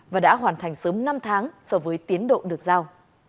và đã hoàn thành sớm năm tháng so với tiến độ được giao